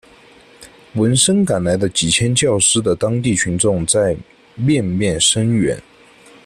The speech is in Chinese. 闻声赶来的几千教师的当地群众在面面声援。